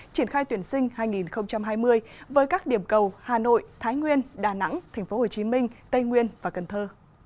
triển khai tuyển sinh hai nghìn hai mươi với các điểm cầu hà nội thái nguyên đà nẵng tp hcm tây nguyên và cần thơ